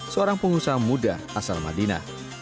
seorang pengusaha muda asal madinah